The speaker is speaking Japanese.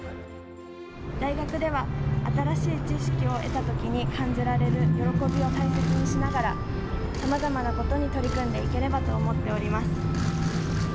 大学では、新しい知識を得たときに感じられる喜びを大切にしながら、さまざまなことに取り組んでいければと思っております。